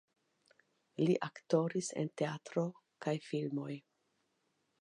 Li aktoris en teatro kaj filmoj.